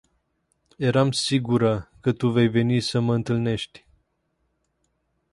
Eram sigura ca tu vei veni sa ma intalnesti.